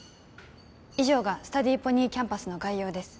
以上がスタディーポニーキャンパスの概要です